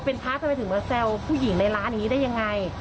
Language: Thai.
เป็นพระทำไมถึงมาแซวผู้หญิงในร้านอย่างนี้ได้ยังไง